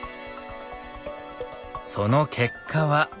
その結果は。